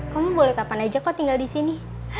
kamu boleh kapan aja kok tinggal di sini